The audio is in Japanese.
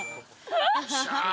よっしゃ。